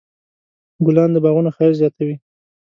ګلان د باغونو ښایست زیاتوي.